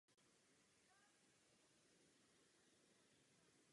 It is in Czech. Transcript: Jedná se o svátek poměrně nový.